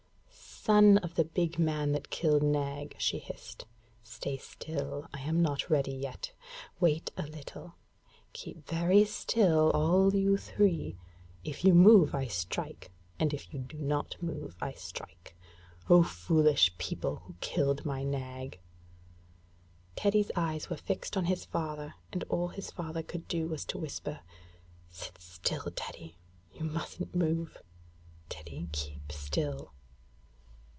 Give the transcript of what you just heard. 'Son of the big man that killed Nag,' she hissed, 'stay still. I am not ready yet. Wait a little. Keep very still, all you three. If you move I strike, and if you do not move I strike. Oh, foolish people, who killed my Nag!' Teddy's eyes were fixed on his father, and all his father could do was to whisper, 'Sit still, Teddy. You mustn't move. Teddy, keep still.'